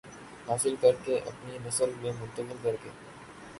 حاصل کر کے اپنی نسل میں منتقل کر کے